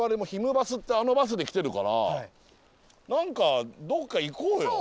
バスってあのバスで来てるから何かどっか行こうよ。